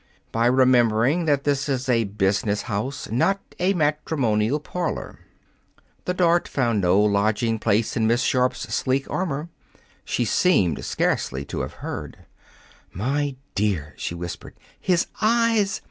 "By remembering that this is a business house, not a matrimonial parlor." The dart found no lodging place in Miss Sharp's sleek armor. She seemed scarcely to have heard. "My dear," she whispered, "his eyes!